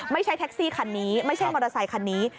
ไม่ใช่แท็กซี่คันนี้ไม่ใช่มอเตอร์ไซคันนี้